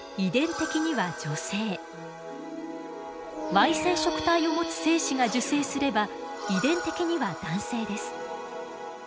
Ｙ染色体を持つ精子が受精すれば遺伝的には男性です。